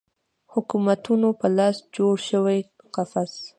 حکومتونو په لاس جوړ شوی قفس